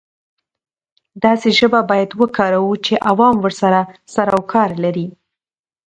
داسې ژبه باید وکاروو چې عوام ورسره سر او کار لري.